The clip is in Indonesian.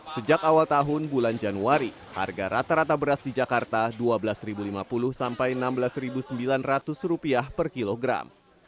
sejak awal tahun bulan januari harga rata rata beras di jakarta rp dua belas lima puluh sampai rp enam belas sembilan ratus per kilogram